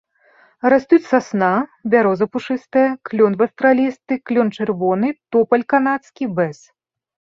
Растуць сасна, бяроза пушыстая, клён вастралісты, клён чырвоны, топаль канадскі, бэз.